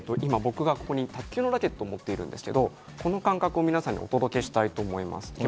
僕が今、卓球のラケットを持っているんですけど、この感覚を皆様にお届けしたいと思います。